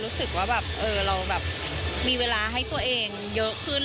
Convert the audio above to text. รู้สึกว่าแบบเราแบบมีเวลาให้ตัวเองเยอะขึ้น